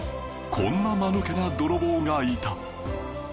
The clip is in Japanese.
こんなマヌケな泥棒がいた